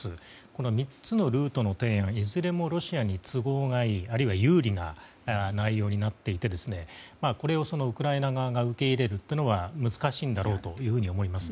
この３つのルートはいずれもロシアに都合がいいあるいは有利な内容になっていてこれをウクライナ側が受け入れるというのは難しいんだろうと思います。